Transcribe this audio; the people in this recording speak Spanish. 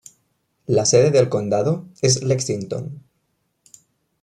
La sede del condado es Lexington.